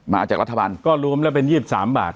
มาจากรัฐบาลก็รวมแล้วเป็น๒๓บาท